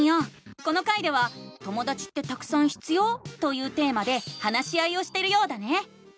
この回では「ともだちってたくさん必要？」というテーマで話し合いをしてるようだね！